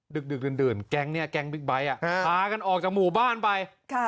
ดึกดึกดื่นแก๊งบิ๊กบไรค์ออกจากหมู่บ้านไป